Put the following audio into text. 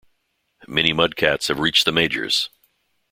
Many Mudcats have reached the majors.